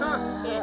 あ。